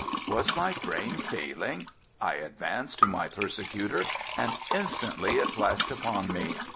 Was my brain failing? I advanced to my persecutor and instantly it flashed upon me.